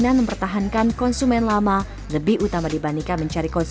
saatelah akuaru wifi di model who